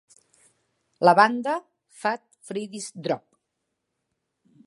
La banda Fat Freddy's Drop.